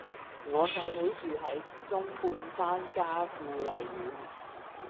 我細妹住喺中半山嘉富麗苑